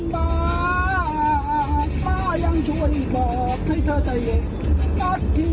ดังนั้นพี่จะไปสุดเดี่ยว